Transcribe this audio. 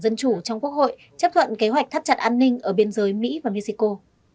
dân chủ trong quốc hội chấp thuận kế hoạch thắt chặt an ninh ở biên giới mỹ và mexico